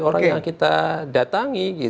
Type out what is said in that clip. orang yang kita datangi